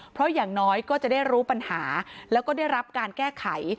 เพราะอย่างน้อยก็จะได้รู้ปัญหาแล้วก็ได้รับการแก้ไข